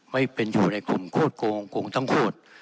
ไม่เป็นอยู่ในกลุ่มโคตรโกงโกงทั้งโคตร